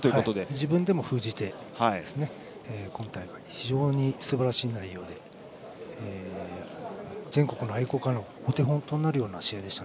自分でも封じて今大会、非常にすばらしい内容で全国の愛好家のお手本となるような試合でした。